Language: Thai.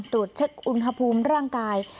ตรวจเช็คอุณหภูมิร่างกาย